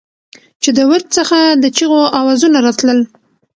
چې د ورد څخه د چېغو اوزونه راتلل.